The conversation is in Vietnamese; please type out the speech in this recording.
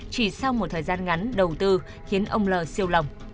chỉ sau một thời gian ngắn đầu tư khiến ông l siêu lòng